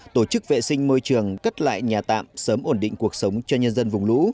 tổ chức vệ sinh môi trường cất lại nhà tạm sớm ổn định cuộc sống cho nhân dân vùng lũ